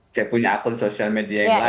saya punya akun sosial media yang lain